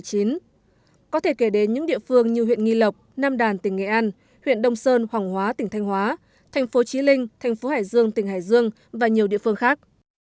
có thể kể đến những địa phương như huyện nghi lộc nam đàn tỉnh nghệ an huyện đông sơn hoàng hóa tỉnh thanh hóa thành phố trí linh thành phố hải dương tỉnh hải dương và nhiều địa phương khác